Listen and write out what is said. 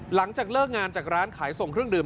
หลังจากเลิกงานจากร้านขายส่งเครื่องดื่ม